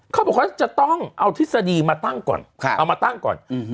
เขาบอกว่าจะต้องเอาทฤษฎีมาตั้งก่อน